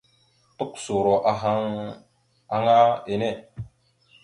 Tukəsoro ahaŋ aŋa enne.